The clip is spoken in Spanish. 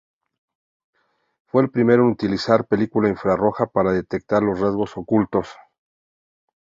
Fue el primero en utilizar película infrarroja para detectar los rasgos ocultos.